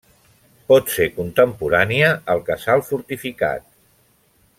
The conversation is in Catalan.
Pot ser contemporània al casal fortificat.